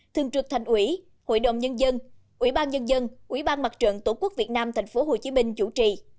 thường trực thành ủy hội đồng nhân dân ủy ban nhân dân ủy ban mặt trận tổ quốc việt nam tp hcm chủ trì